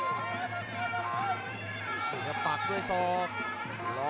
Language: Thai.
ปฏิกับปักด้วยซอฟหลอกล่างครับ